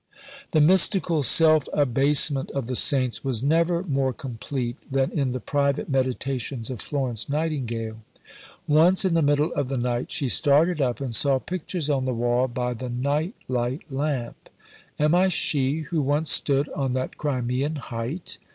The mystical self abasement of the Saints was never more complete than in the private meditations of Florence Nightingale. Once in the middle of the night she started up and saw pictures on the wall by the night light lamp. "Am I she who once stood on that Crimean height?